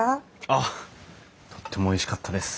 あっとってもおいしかったです。